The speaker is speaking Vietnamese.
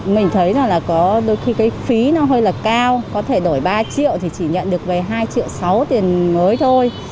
mình thấy là có đôi khi cái phí nó hơi là cao có thể đổi ba triệu thì chỉ nhận được về hai triệu sáu tiền mới thôi